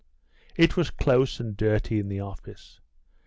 It was close and dirty in the office.